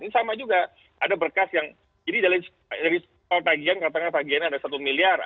ini sama juga ada berkas yang jadi dari tagian katanya tagiannya ada satu miliar